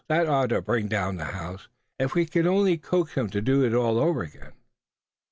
That ought to bring down the house; if only we c'n coax him to do it over again."